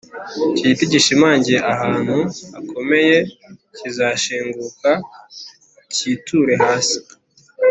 icyo giti gishimangiye ahantu hakomeye kizashinguka, cyiture hasi,